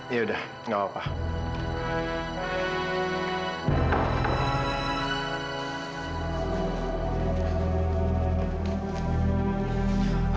yaudah gak apa apa